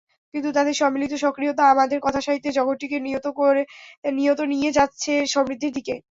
কিন্তু তাঁদের সম্মিলিত সক্রিয়তা আমাদের কথাসাহিত্যের জগৎটিকে নিয়ত নিয়ে যাচ্ছে সমৃদ্ধির দিকে।